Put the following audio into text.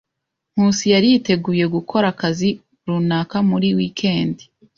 Nkusi yari yateguye gukora akazi runaka muri wikendi.